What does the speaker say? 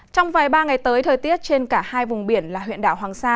trong vài ba ngày tới thời tiết trên cả hai vùng biển là huyện đảo hoàng sa